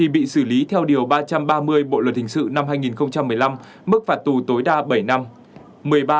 bị xử lý theo điều ba trăm ba mươi bộ luật hình sự năm hai nghìn một mươi năm mức phạt tù tối đa bảy năm